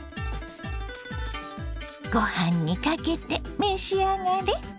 ご飯にかけて召し上がれ。